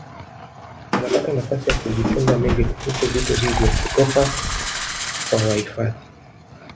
Wanapata nafasi ya kujifunza mengi kuhusu vitu hivyo kutoka kwa wahifadhi